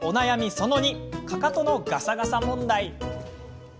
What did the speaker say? その２かかとのガサガサ問題。